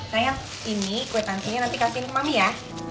sayang ini kwetensinya nanti kasihin ke mami ya